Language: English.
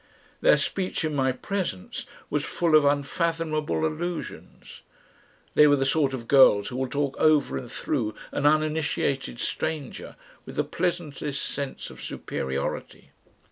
Their speech in my presence was full of unfathomable allusions. They were the sort of girls who will talk over and through an uninitiated stranger with the pleasantest sense of superiority.